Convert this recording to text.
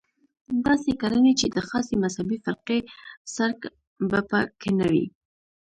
داسې کړنې چې د خاصې مذهبي فرقې څرک به په کې نه وي.